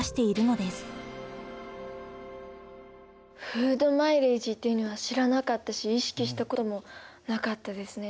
フード・マイレージっていうのは知らなかったし意識したこともなかったですね。